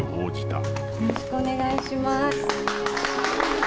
よろしくお願いします。